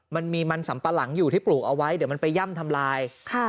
มันมีมันสัมปะหลังอยู่ที่ปลูกเอาไว้เดี๋ยวมันไปย่ำทำลาย